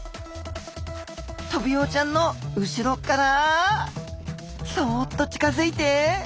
トビウオちゃんの後ろからそっと近づいて。